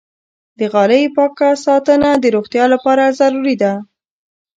د غالۍ پاک ساتنه د روغتیا لپاره ضروري ده.